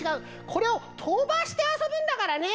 これをとばしてあそぶんだからね。